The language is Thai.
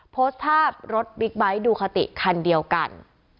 โพสต์ภาพรถบิ๊กไบท์ดูคาติคันเดียวกัน